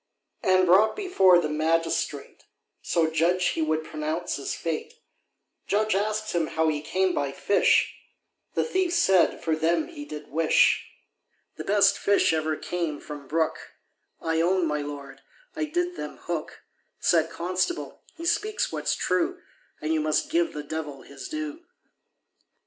And brought before the magistrate, So judge he would pronounce his fate, Judge asked him how he came by fish, The thief said for them he did wish, The best fish ever came from brook, I own, my Lord, I did them hook, Said constable, he speaks what's true, And you must give the devil his due.